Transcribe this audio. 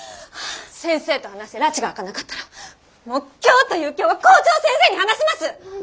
先生と話してらちが明かなかったらもう今日という今日は校長先生に話します！